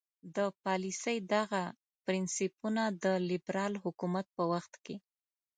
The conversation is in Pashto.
د پالیسۍ دغه پرنسیپونه د لیبرال حکومت په وخت کې.